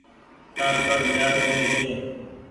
تآر پر ميهآر ڪونيٚ ڇي۔